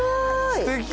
すてき。